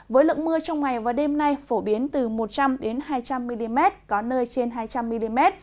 với lượng mưa trong ngày và đêm nay phổ biến từ một trăm linh hai trăm linh mm có nơi trên hai trăm linh mm